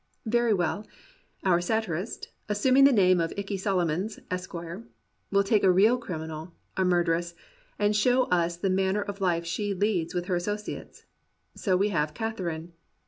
Very well, our satirist, assuming the name of " Ikey Solomons, Esq.," will take a real criminal, a murderess, and show us the manner of life she leads with her asso ciates. So we have Catherine.